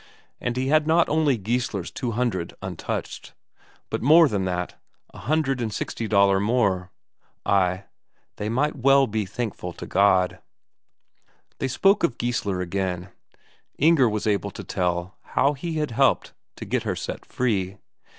And he had not only Geissler's two hundred untouched, but more than that a hundred and sixty Daler more. Ay, they might well be thankful to God! They spoke of Geissler again; Inger was able to tell how he had helped to get her set free.